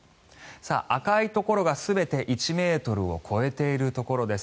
赤いところが全て１ｍを超えているところです。